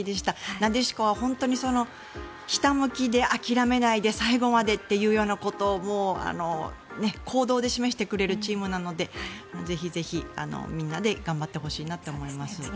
なでしこは本当にひたむきで諦めないで最後までっていうようなことを行動で示してくれるチームなのでぜひぜひみんなで頑張ってほしいなと思います。